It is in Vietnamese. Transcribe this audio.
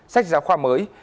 sách giáo khoa mới